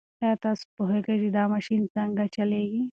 ایا تاسو پوهېږئ چې دا ماشین څنګه چلیږي؟